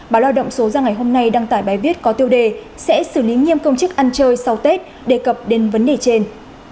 báo lao động số ra ngày hôm nay đăng tải bài viết có tiêu đề sẽ xử lý nghiêm công chức ăn chơi sau tết đề cập đến vấn đề trên